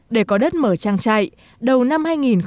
để có đất mở trang trại đầu năm hai nghìn một mươi sáu